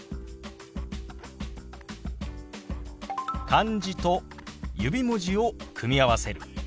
漢字と指文字を組み合わせる。